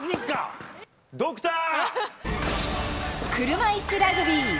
車いすラグビー。